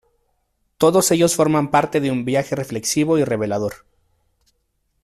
Todos ellos forman parte de un viaje reflexivo y revelador.